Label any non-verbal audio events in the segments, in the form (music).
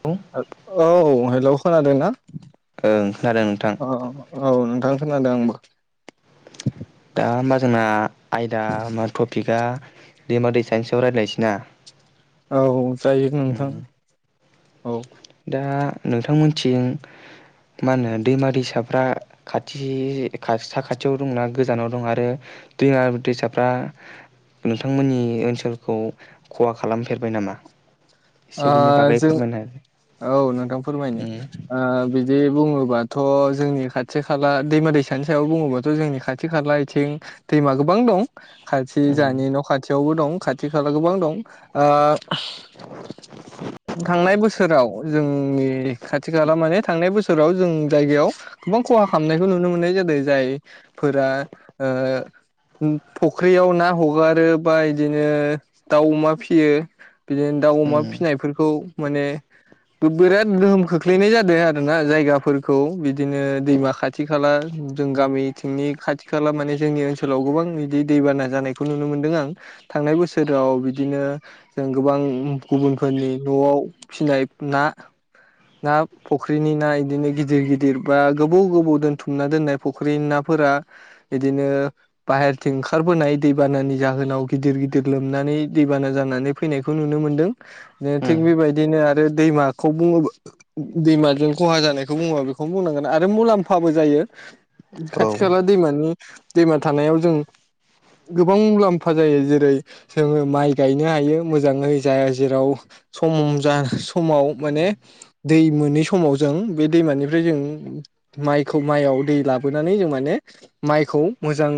औ ओं औ हे लौ खोनादोंना? ओं खोनादों नोंथां। औ औ नोंथां खोनादों आंबो दा ओमबा जोंना आयदा मा टपिकआ दैमा दैसा नि सायाव रायज्लायनोसै ना। औ जायो उम नोंथां। औ ओ दा नोंथांमोन थिं मा होनो दैमा दैसाफ्रा खाथि साखाथियाव दंना गोजानाव दं आरो दैमा दैसाफ्रा नोंथांमोननि ओनसोलखौ खहा खालामफेरबाय नामा? एसे बिनि बागै जों फोरमायनो औ नोंथां फोरमायनो ओ बिदि बुङोबा बाथ' जोंनि खाथि खाला दैमा दैसानि सायाव बुङोबाथ' जोंनि खाथि खाला बिथिं दैमा गोबां दं। खाथि उम जोंहानि न' खाथियावबो दं। खाथि खाला गोबां दं ओ थांनाय बोसोराव जोंनि खाथि खाला माने थांनाय बोसोराव जों जायगायाव गोबां खहा खालामनायखौ नुनो मोननाय जादों जाय फोरा ओ फख्रियाव ना हगारो बा इदिनो दाउ अमा फिसयो बिदिनो दाउ अमा उम फिनायफोरखौ माने बिराद गोहोम खोख्लैनाय जादों आरोना जायगाफोरखौ बिदिनो दैमा खाथि खाला जों गामिथिंनि खाथि खाला माने जोंनि ओनसोलाव गोबां बिदि दैबाना जानायखौ नुनो मोनदों आं थांनाय बोसोराव बिदिनो जों गोबां गुबुनफोरनि न'आव फिनाय ना ना फुख्रिनि ना इदिनो गिदिर गिदिर बा गोबाव गोबाव दोनथुमना दोननाय फख्रिनि नाफोरा इदिनो बाहेरथिं ओंखारबोनाय दैबानानि जाहोनाव गिदिर गिदिर लोमनानै दैबाना जानानै फैनायखौ नुनो मोन्दों जे उम थिग बेबायदिनो आरो दैमाखौ बुङोबा दैमाजों खहा जानायखौ बुङोब्ला बेखौनो बुंनांगोन आरो मुलाम्फाबो जायो। औ खाथि खाला दैमानि दैमा थानायाव जों गोबां मुलाम्फा जायो जेरै जोङो माइ गायनो हायो मोजाङै जाया जेराव सम जा समाव माने दै मोनै समाव जों बे दैमानिफ्राय जों माइखौ माइयाव दै लाबोनानै जों माने माइखौ मोजां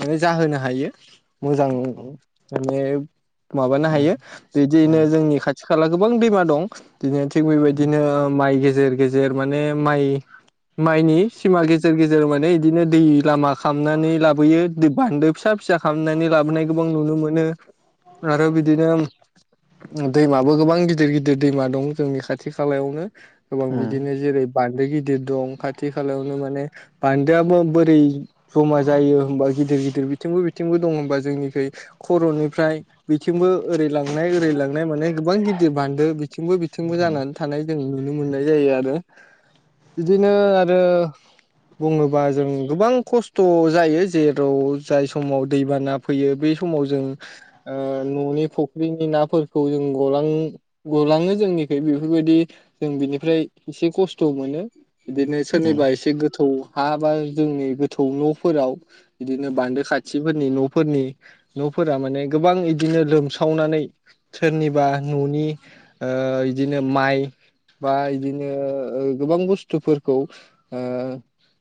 माने जाहोनो हायो मोजां उम माने माबानो हायो उम औ बिदिनो जोंनि खाथि खाला गोबां दैमा दं बिदिनो थिग बेबायदिनो माइ गेजेर गेजेर माने माइ माइनि सिमा गेजेर गेजेर माने इदिनो दै लामा खालामनानै लाबोयो दै बान्दो फिसा फिसा खालामनानै लाबोनाय गोबां नुनो मोनो आरो बिदिनो दैमाबो गोबां गिदिर गिदिर दैमा दं जोंनि खाथि खालायावनो गोबां उम बिदिनो जेरै बान्दो गिदिर दं खाथि खालायावनो माने बान्दोआबो बोरै जमा जायो होनबा गिदिर गिदिर बिथिंबो बिथिंबो दं होनबा जोंनिखै खर'निफ्राय बिथिंबो ओरै लां लाय ओरै लांनाय माने गोबां गिदिर बान्दो बिथिंबो बिथिंबो जानानै थानाय जों नुनो मोननाय जायो आरो बिदिनो आरो बुङोबा जों गोबां खस्थ' जायो जेराव जाय समाव दैबाना फैयो बे समाव जों न'नि फ ख्रिनि नाफोरखौ जों गलां-गलाङो जोंनिखै बेफोरबायदि जों बिनिफ्राय एसे खस्थ' मोनो। बिदिनो सोरनिबा एसे गोथौ हाबा जोंनि गोथौ न'फोराव बिदिनो बान्दो खाथिफोरनि न'फोरनि न'फोरा माने गोबां इदिनो लोमसाव सावनानै सोरनिबा न'नि ओ इदिनो माइ बा इदिनो गोबां बुस्थुफोरखौ ओ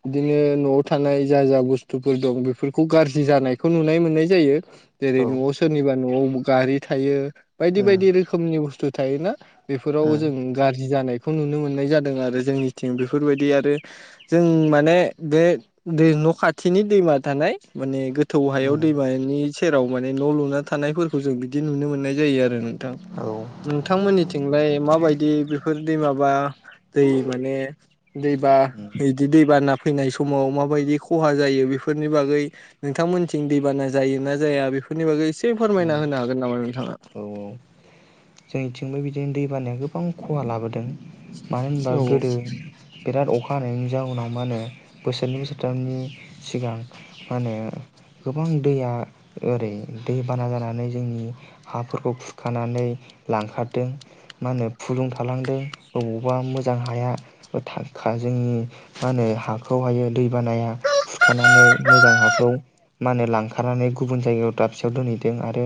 इदिनो न'आव थानाय जा जा बुस्थुफोर दं बेफोरखौ गाज्रि जानायखौ नुनाय मोननाय जायो। जेरै- न'आव सोरनिबा न'आवबो गारि थायो। बायदि बायदि रोखोमनि बुस्थु थायो ना। बेफोराव उम जों गाज्रि जानाय खौ नुनो मोननाय जादों आरो जोंनिथिं बेफोरबायदि आरो जों माने बे दै न' खाथिनि दैमा थानाय माने गो थौ हायाव उम दैमानि सेराव माने न' लुना थानायफोर जों बिदि नुनो मोननाय जायो आरो नोंथां औ नोंथांमोननिथिंलाय माबायदि बेफोर दै माबा दै माने दैबा औ बिदि दैबाना फैनाय समाव माबायदि खहा जायो बेफोरनि बागै नोंथांमोननिथिं दैबाना जायोना जाया बेफोरनि बागै एसे फो फोरमायना होनो हागोन नोंथां? औ औ जोंनिथिंबो बि दि दै बानाया गोबां खहा लाबोदों। मानो होनबा औ गोदो बिराद अखा हानायनायनि जाउनाव मा होनो बोसोरनै बोसोरथामनि सिगां मा होनो गोबां दैया ओरै दै बाना जानानै जोंनि हाफोरखौ खुरखानानै लांखारदों मा होनो फुलुं थालांदों अबावबा मोजां हाया थाखा जोंनि मा होनो हाखौहायो दै बानाया खुरखानानै मोजां हाखौ मा होनो लांखारनानै गुबुन जायगायाव दाबसेयाव दोनहैदों आरो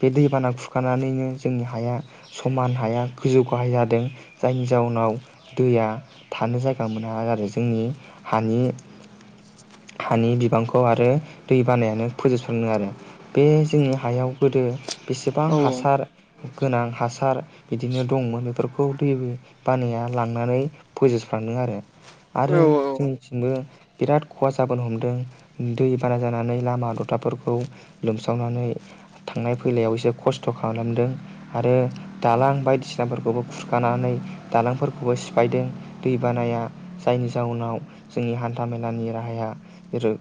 बे दैबाना खुरखानानैनो जोंनि हाया समान हाया गोजौ गाहाय जादों जायनि जाउनाव दैया थानो जायगा मोना आरो जोंनि हानि हानि बिबांखौ आरो दै बानायानो फोजोबस्राङो आरो बे जोंनि हायाव गोदो बेसेबां औ हासार गोनां हासार बिदिनो दंमोन बेफोरखौ दै बानाया लांनानै फोजोबस्रांदों आरो। औ आरो जोंनिथिंबो बिराद खहा जाबोनो हमदों दै बाना जानानै लामा द'थाफोरखौ लोमसावनानै थांनाय फैलायाव एसे खस्थ' खालामदों आरो दालां बायदिसिनाफोरखौबो खुरखानानै दालांफोरखौबो सिफायदों दै बानाया जायनि जाउनाव जोंनि हान्था मेलानि राहाया जेरै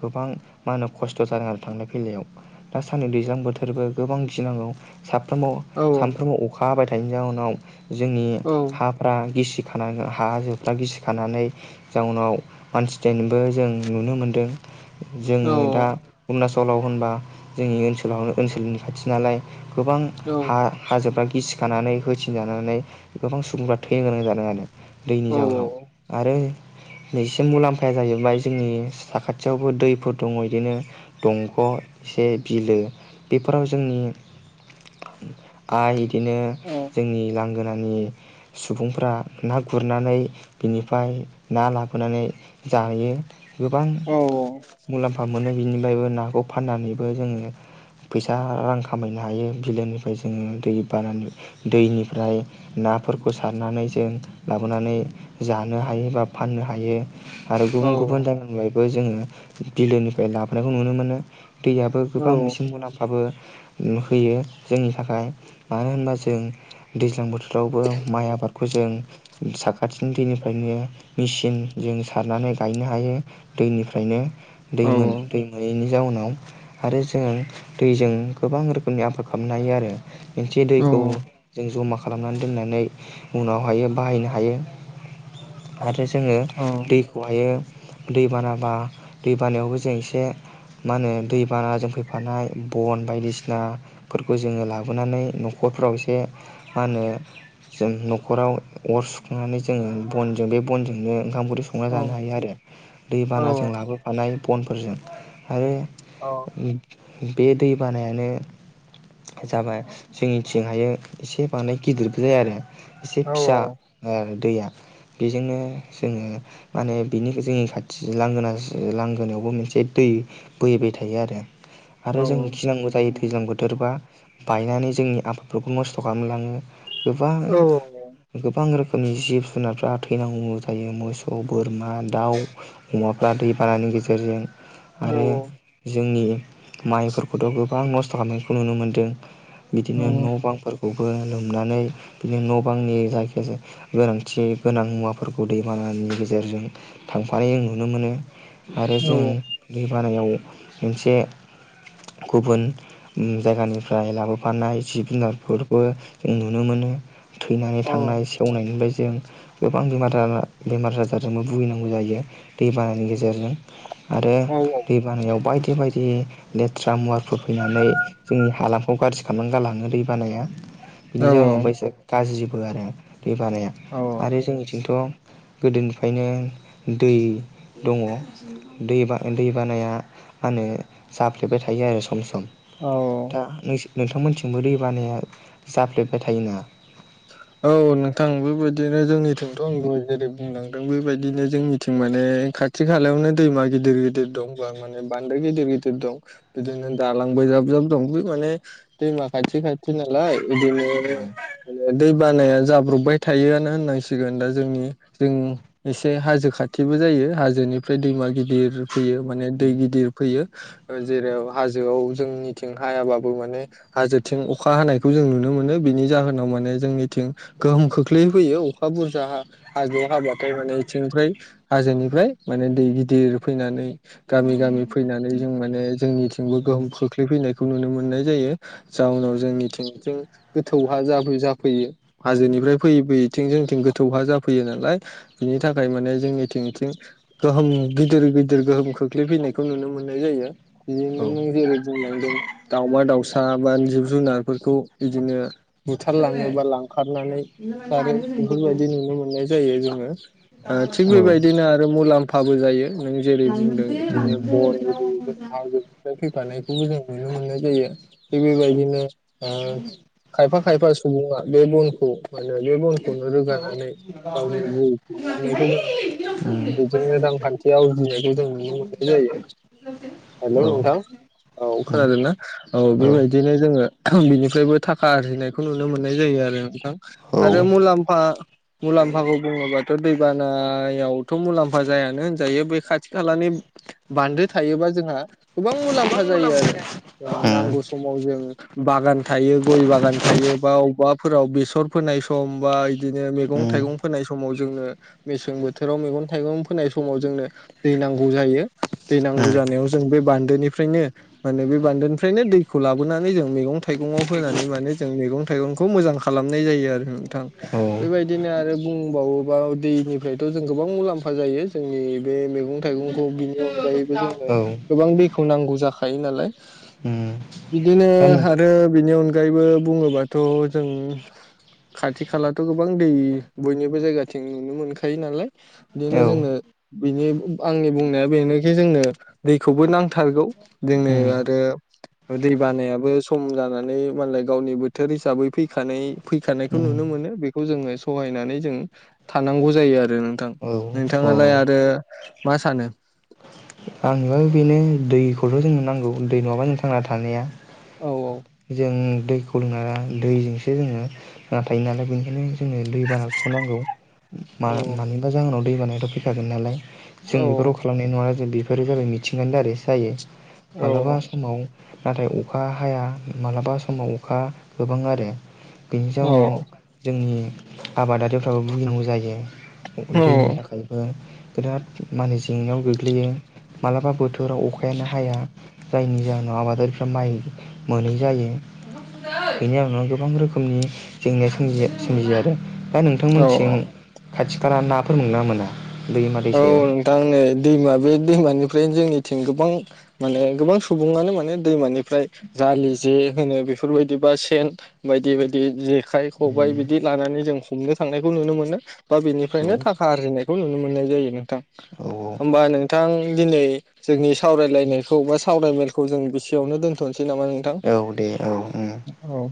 गोबां मा होनो खस्थ' जादों आरो थांलाय फैलायाव दा साननै दैज्लां बोथो फोरबो गोबां गिनांगौ साफ्राम' औ सानफ्रोमबो अखा बायदि बेनि जाउनाव जोंनि औ हाफ्रा गिसि खानानै हाजोफोरा गिसिखानानै जाउनाव मानसि थैनायबो जों नुनो मोनदों। औ जोङो दा अरुणा सलाव होनबा जोंनि ओनसोलावनो ओनसोलनि खाथि नालाय गोबां औ हा-हाजोफ्रा गिसिखानानै होथेजानानै गोबां सुबुंफ्रा थैनो गोनां जादों आरो। दैनि औ जाहोनाव आरो नैसे मुलाम्फाया जाहैबाय जोंनि साखाथियावबो दैफोर दङ इदिनो दंग एसे बिलो बेफोराव जोंनि आइ बिदिनो जोंनि लां गोनानि सुबुंफोरा ना गुरनानै बिनिफ्राय ना लाबोनानै जायो। गोबां औ मुलाम्फा मोनो बिनिफ्रायबो नाखौ फाननानैबो जोङो फैसा रां खामायनो हायो बिलोनिफ्राय जोङो दै बाना दैनिफ्राय नाफोरखौ सारनानै जों लाबोनानै जानो हायो बा फाननो हायो। आरो गुबुन गुबुन गामिआव बे जोङो बिलोनिफ्राय लाबोनायखौ नुनो मोनो दैयाबो औ गोबां एसे मुलाम्फा बो होयो जोंनि थाखाय मानो होनबा जों दैज्लां बोथोरावबो माइ आबादखौ जों साखाथिनि दैनिफ्रायनो मेचिन जों सारनानै गायनो हायो दैनिफ्रायनो दैमोन दै मोनैनि जाउनाव (unintelligible) आरो जों दैजों गोबां रोखोमनि आबाद खालामनो हायो आरो मोनसे दैखौ जों जमा खालामनानै दोननानै उनावहायो बाहायनो हायो आरो जोङो दैखौहायो दै बानाबा दै बानायावबो जों एसे मा होनो दैबानाजों फैफानाय बन बायदिसिनाफोरखौ जोङो लाबोनानै न'खरफ्राव एसे मा होनो जों न'खराव अर सुखांनानै जोङो बनजों बे बनजोंनो ओंखाम ओंख्रै संना जानो हायो आरो दै औ बानाजों लाबोफानाय बनफोरजों आरो (unintelligible) बे दै बानायानो जाबाय जोंनिथिंहायो एसे बांद्राय गिदिरबो जाया आरो एसे फिसा आरो दैया बेजोंनो जोङो माने बिनि जोंनि खाथि लांगोना लांगोनायावबो मोनसे दै बोहैबाय थायो आरो आरो जों गिनांगौ जाहैदों दैज्लां बोथोरबा बायनानै जोंनि आबादफोरखौ नस्थ खालामलाङो गोबां गोबां रो खोमनि जिब जुनारफ्रा थैनांगौ जायो मोसौ, बोरमा, दाउ, अमाफ्रा दैबानानि गेजेरजों औ आरो जोंनि माइफोरखौथ गोबां नस्थ खालामनायखौ नुनो मोनदों बिदिनो औ न'बांफोर बेखौबो लोमनानै बिदिनो न'बांनि जायखिजाया गोनांथि गोनां मुवाफोरखौ दैबानानि गेजेरजों थांफायो नुनो मोनो आरो जों औ दै बानायाव मोनसे गुबुन ओ जायगानिफ्राय लाबोफानाय जिब-जुनारफोरबो जों नुनो मोनो थैनानै औ थांनाय सेवनायनिफ्राय जों गोबां बेमार बेमार आजारजोंबो भुगिनांगौ जायो दै बानानि गेजेरजों आरो औ दै बानायाव बायदि बायदि दि लेथ ट्रा मुवाफोर फैनानै जोंनि हालाम खौ गाज्रि खालामनानै गालाङो दै बानाया औ बिनि जाउनाव बायसा गाज्रि आरो दै बानाया औ आरो जोंनिथिंथ गोदोनिफ्रायनो दै दङ दै बा दै बानाया मा होनो जाफ्लेबाय थायो आरो सम सम औ दा नोंस नोंथांमोनथिंबो दै बानाया जाफ्लेबबाय थायोनामा औ नोंथां बेबायदिनो जोंनिथिंथ' आं दहाय जेरै बुंलांदों बेबायदिनो जोंनिथिं माने खाथि खालायावनो दैमा गिदिर गिदिर दं बा माने बान्दो गिदिर गिदिर दं बिदिनो दालांबो जाब जाब दं बे माने दैमा खाथि खाथि नालाय औ बिदिनो दै बानाया जाब्रबबाय थायोआनो होननांसिगोन दा जोंनि जों एसे हाजो खाथिबो जायो हाजोनिफ्राय दैमा गिदिर फैयो माने दै गिदिर फैयो जेराव हाजोआव जोंनिथिं हायाबाबो माने हाजोथिं अखा हानायखौ जों नुनो मोनो बेनि जाहोनाव मान जोंनिथिं गोहोम खोख्लै फैयो अखा बुरजा हा-हाजोआव हाबाथाय माने थिंफ्राय हाजोनिफ्राय माने दै गिदिर फैनानै गामि गामि फैनानै जों माने जोंनिथिंबो गोहोम खोख्लै फैनायखौ नुनो मोननाय जायो जाउनाव जोंनिथिंजों गोथौ हा जाबो जा फैयो हाजोनिफ्राय फैयै फैयैथिं जोंनिथिं गोथौ हा जाफैयो नालाय बिनि थाखाय माने जोंनिथिंथिं गोहोम गिदिर गिदिर गोहोम खोख्लैफैनायखौ नुनो मोननाय जायो बिदिनो नों जेरै बुंलांदों दाउमा दाउसा बा जिब जुनारफोरखौ बिदिनो बुथारलां थङोबा लांखारनानै खारो बेफोरबायदि नुनो मोननाय जायो जोङो ओ थिग औ बेबायदिनो मुलाम्फाबो जायो नों जेरै बुंदों बिदिनो (inaudible) हाजो थानायखौबो जों नुनो मोननाय जायो थिग बेबायदिनो ओ खायफा खायफा स सुबुङा बे बनखौ मोनो बे बनखौनो रोगानानै गावनि मुं खालाम जों नुनो मोनो बेजोंनो औ रांखान्थि आवजिनायखौ जों आंनिबा नुनो मोननाय जायो बेनो हेलौ नोंथां औ खोनादों ना औ बेबायदिनो जोङो बेनिफ्रायबो थाखा आरजिनायखौ नु नुनो मोननाय जायो आरो नोंथां आरो मुलाम मुलाम्फाखौ बुङोबाथ दैबानायावथ मुलाम्फा जायानो होनजायो बे खाथि खालानि बान्दो थायोबा जोंहा गोबां मुलाम्फा जायो आरो जों नांगौ समाव जों बागान थायो गय बागान थायो बा अबवाफोराव बेसर फोनाय सम बा बिदिनो मैगं थाइगं फोनाय समाव जोंनो मेसें बोथोराव मैगं थाइगं फोनाय समाव जोंनो दै नांगौ जायो दै नांगौ जानायाव जों बे बान्दोनिफ्रायनो माने बे बान्दोनिफ्रायनो दैखौ लाबोनानै जों मैगं थाइगंआव होनानै माने जों मैगं थाइगंखौ मोजां खालामनाय जायो आरो नोंथां बेबायदिनो आरो बुंबावोबा दैनिफ्रायथ जों गोबां मुलाम्फा जायो जोंनि बे मैगं थाइगंखौ बिनि अनग गायैबो जोङो गोबां बि बे खौ नांगौ जाखायो नालाय बिदिनो आरो बिनि अनग अगायैबो बुङोबा थ जों खाथि खालाथ गोबां दै बयनिबो जायगाथिं नुनो मोनखायो नालाय बिदिनो जोंनो बिनि आंनि बुंनाया बेनोखि जोंनो दैखौबो नांथारगौ जोंनो आरो दै बानायाबो सम जानानै मालाय गावनिबो बोथोर हिसाबै फैखानाय फैखानायखौ नुनो मोनो बेखौ जोङो सहायनानै जों थानांगौ जायो आरो नोंथां नोंथाङालाय आरो मा सानो? आंनोबा बेनो दैखौथ जोंनो नांगौ दै नङाबा जों थांना थानाया औ जों दैखौ लोंनाया दैजोंसो जोङो नाथाय नालाय बेनिखायनो जोंनो दै बानाखौनांगौ मा औ मानिबा जाहोनाव दै बानायाथ फैखागोन नालाय जों औ औ बेफोरखौ खालामनाय नङा जों बे बेफोरो जाबाय मिथिंगानि दारै जायो मालाबा समाव नाथाय अखा हाया मालाबा समाव अखा गोबां आरो बेनि औ जाउनाव जोंनि आबादारिफ्राबो भुगिनांगौ जायो दैनि थाखायबो बिराद माने जेंनायाव गोग्लैयो माबलाबा बोथोराव अखायानो हाया जायनि जाहोनाव आबादारिफ्रा माइ मोनै जायो बेनि उनाव गोबां रोखोमनि जेंनायोमजियो आरो दा औ औ नोंथांमोनथिं खाथि खाला नाफोर मोना मोना? दैमा औ दैसायाव नोंथां नै दैमा बे दैमानि ओमफ्राय जोंनिथिं गोबां माने गोबां सुबुङानो माने दैमानिफ्राय जालि जे होनो बेफोरबायदि बा सेन बायदि बायदि जे खाइ खबबाय उम बिदि लानानै जों हमनो थांनायखौ नुनो मोनो बा औ बेनिफ्रायनो थाखा आरजिनाय खौ नुनो मोननाय जायोनो थां औ होमबा नोंथां दिनै जोंनि सावरायलायनायखौ बा सावरायमेलखौ जों बेसेयावनो दोनथनोसै नामा नोंथां औ दे औ ओम औ